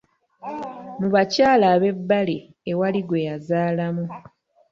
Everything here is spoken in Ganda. Mu bakyala ab'ebbali, ewali gwe yazaalamu.